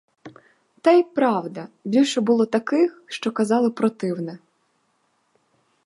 Та й, правда, більше було таких, що казали противне.